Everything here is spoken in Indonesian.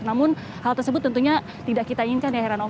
namun hal tersebut tentunya tidak kita inginkan ya heranov